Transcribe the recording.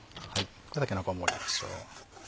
たけのこを盛りましょう。